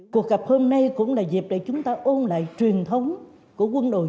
cuộc gặp hôm nay cũng là dịp để chúng ta ôn lại truyền thống của quân đội